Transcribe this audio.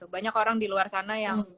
banyak orang di luar sana yang